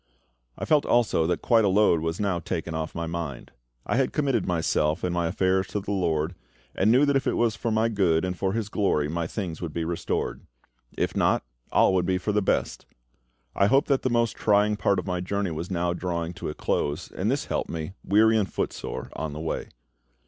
I felt also that quite a load was now taken off my mind. I had committed myself and my affairs to the LORD, and knew that if it was for my good and for His glory my things would be restored; if not, all would be for the best. I hoped that the most trying part of my journey was now drawing to a close, and this helped me, weary and footsore, on the way.